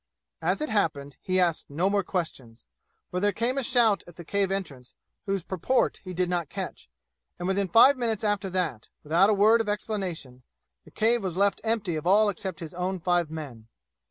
As it happened, he asked no more questions, for there came a shout at the cave entrance whose purport he did not catch, and within five minutes after that, without a word of explanation, the cave was left empty of all except his own five men.